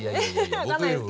分かんないですけど。